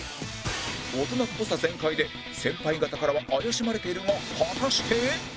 大人っぽさ全開で先輩方からは怪しまれているが果たして